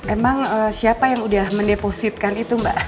emang siapa yang udah mendepositkan itu mbak